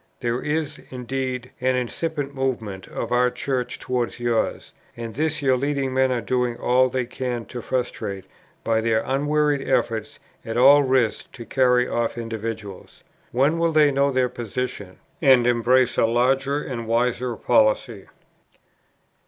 There is, indeed, an incipient movement of our Church towards yours, and this your leading men are doing all they can to frustrate by their unwearied efforts at all risks to carry off individuals. When will they know their position, and embrace a larger and wiser policy?"